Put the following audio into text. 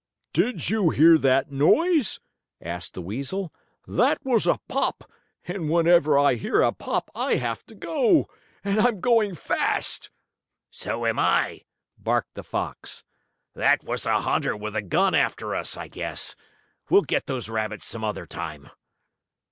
"Did you hear that noise?" asked the weasel. "That was a pop, and whenever I hear a pop I have to go! And I'm going fast!" "So am I!" barked the fox. "That was a hunter with a gun after us, I guess. We'll get those rabbits some other time."